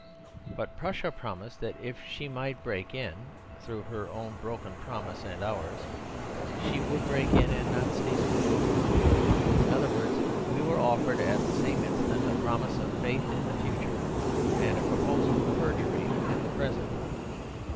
But Prussia promised that if she might break in, through her own broken promise and ours, she would break in and not steal. In other words, we were offered at the same instant a promise of faith in the future and a proposal of perjury in the present.